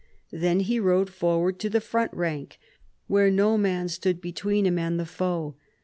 Then he rode forward to the front rank, "where no man stood between him and the foe."